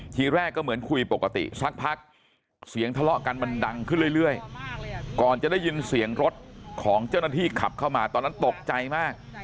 ทีแรกก็เหมือนคุยปกติสักพักเสียงทะเลาะกันมันดังขึ้นเรื่อยก่อนจะได้ยินเสียงรถของเจ้าหน้าที่ขับเข้ามาตอนนั้นตกใจมาก